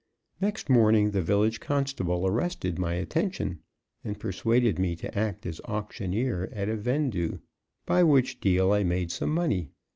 Next morning, the village constable arrested my attention and persuaded me to act as auctioneer at a vendue; by which deal I made some money.